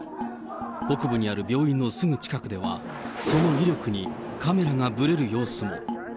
北部にある病院のすぐ近くでは、その威力にカメラがぶれる様子も。